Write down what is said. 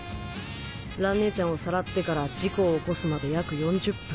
蘭ねえちゃんをさらってから事故を起こすまで約４０分。